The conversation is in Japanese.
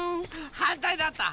はんたいだった。